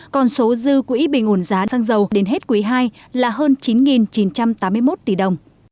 còn số dư quỹ bình ổn giá xăng dầu đến hết quý ii là hơn chín chín trăm tám mươi một tỷ đồng